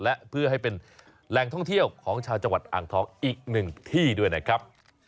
และเพื่อให้เป็นแหล่งท่องเที่ยวของชาวจังหวัดอ่างทองอีกหนึ่งที่ด้วยนะครับ